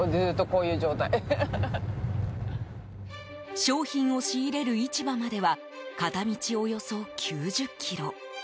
商品を仕入れる市場までは片道およそ９０ｋｍ。